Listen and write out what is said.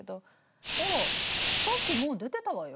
あらさっきもう出てたわよ。